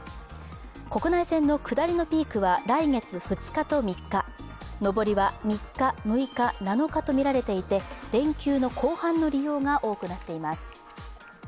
国内線の下りのピークは来月２日と３日、上りは３日、６日、７日と見られていて連休の後半の利用が多くなっています。